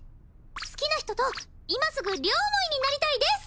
好きな人と今すぐ両思いになりたいです！